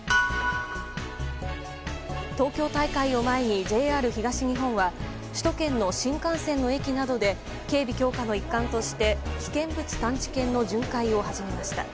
東京大会を前にＪＲ東日本は首都圏の新幹線の駅などで警備強化の一環として危険物探知犬の巡回を始めました。